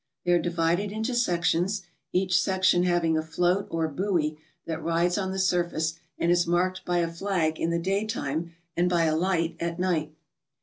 They are divided into sections, each section having a float or buoy that rides on the surface and is marked by a flag in the daytime and by a light at night.